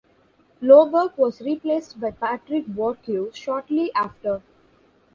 Loberg was replaced by Patrick Bourque shortly after.